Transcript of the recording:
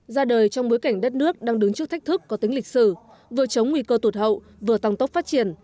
ra đời trong bối cảnh đất nước đang đứng trước thách thức có tính lịch sử vừa chống nguy cơ tụt hậu vừa tăng tốc phát triển